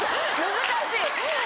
難しい！